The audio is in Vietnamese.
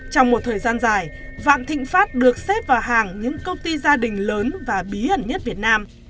trong một thời gian dài vạn thịnh pháp được xếp vào hàng những công ty gia đình lớn và bí ẩn nhất việt nam